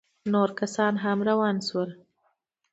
نور کسان هم روان سول.